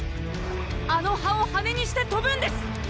あの葉を羽にしてとぶんです！